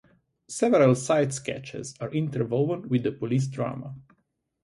Several side sketches are interwoven with the police drama.